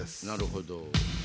なるほど。